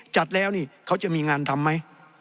จัดแล้วนี่เขาจะมีงานทำไหม